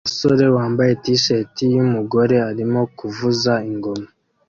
Umusore wambaye t-shirt yumugore arimo kuvuza ingoma